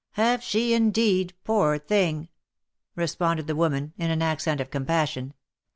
"Have she indeed, poor thing?" responded the woman, in an accent of compassion.